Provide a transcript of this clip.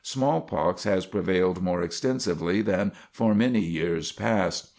Smallpox has prevailed more extensively than for many years back.